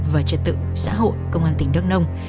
và trật tự xã hội công an tỉnh đắk nông